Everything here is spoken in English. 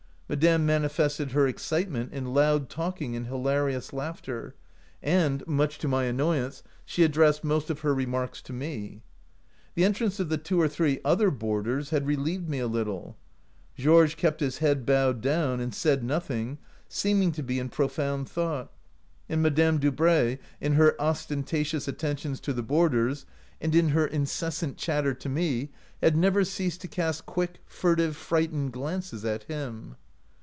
Madame manifested her excitement in loud talking and hilarious laughter, and, much to my annoyance, she addressed most of her re marks to me. The entrance of the two or three other boarders had relieved me a little. Georges kept his head bowed down and said nothing, seeming to be in profound thought, and Madame Dubray, in her ostentatious attentions to the boarders and in her in 32 OUT OF BOHEMIA cessant chatter to me, had never ceased to cast quick, furtive, frightened glances at him.